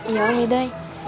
iya om ida